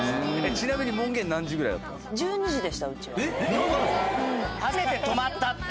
「ちなみに門限何時ぐらいだったんですか？」